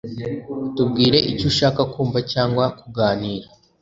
Tubwire icyo ushaka kumva cyangwa kuganira